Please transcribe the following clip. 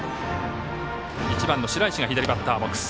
１番の白石が左バッターボックス。